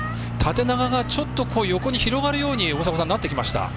縦長がちょっと横に広がるようになってきました。